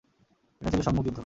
এটা ছিল সম্মুখ যুদ্ধ।